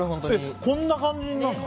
こんな感じになるの？